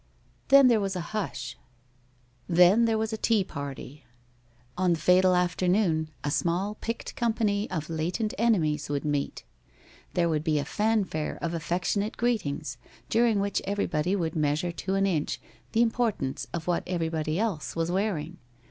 Then there was a hush. Then there was a tea party. On the fatal afternoon a small picked company of latent enemies would meet. There would be a fanfare of affectionate greetings, during which everybody would measure to an inch the importance of what everybody else was wearing.